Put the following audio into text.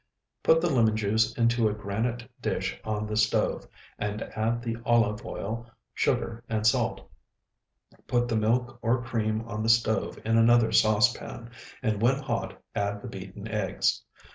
Put the lemon juice into a granite dish on the stove, and add the olive oil, sugar, and salt. Put the milk or cream on the stove in another saucepan, and when hot add the beaten eggs.